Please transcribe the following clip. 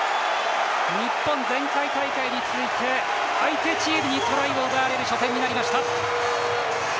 日本、前回大会に続いて相手チームにトライを奪われる初戦になりました。